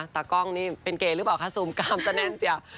ตากล้องนี่เป็นเกย์หรือเปล่าคะซูมกามสแน่นเจียว